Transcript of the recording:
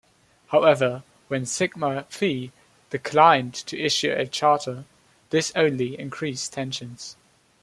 However, when Sigma Phi declined to issue a charter, this only increased tensions.